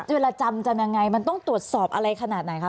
เวลาจำจำยังไงมันต้องตรวจสอบอะไรขนาดไหนคะ